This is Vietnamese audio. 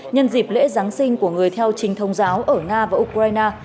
nhân dịp lễ giáng sinh của người theo trình thông giáo ở nga và ukraine